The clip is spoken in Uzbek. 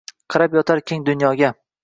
Qarab yotar keng dunyoga